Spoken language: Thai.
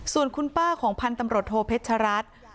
ส่วนคุณป้าของพันธุ์ตำรวจโทเพชรัตน์